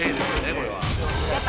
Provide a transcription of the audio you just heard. これは。